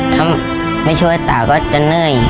ถ้าไม่ช่วยตาก็จะเหนื่อย